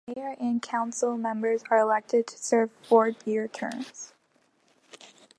The Mayor and council members are elected to serve a four-year term.